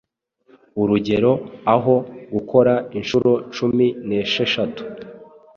Urugero aho gukora inshuro cumi nesheshatu